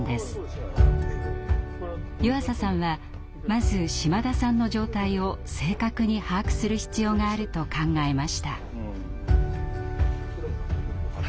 湯浅さんはまず島田さんの状態を正確に把握する必要があると考えました。